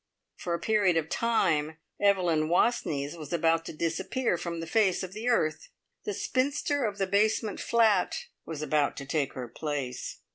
For a period of time Evelyn Wastneys was about to disappear from the face of the earth. The spinster of the basement flat was about to take her place.